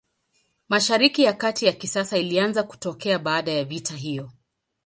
Mashariki ya Kati ya kisasa ilianza kutokea baada ya vita hiyo.